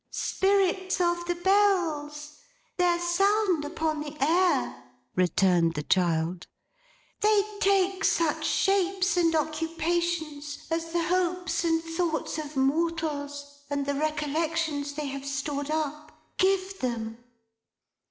'Spirits of the Bells. Their sound upon the air,' returned the child. 'They take such shapes and occupations as the hopes and thoughts of mortals, and the recollections they have stored up, give them.